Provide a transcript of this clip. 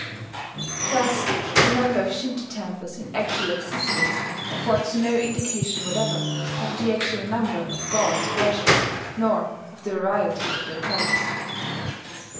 Thus the number of Shinto temples in actual existence affords no indication whatever of the actual number of gods worshipped, nor of the variety of their cults.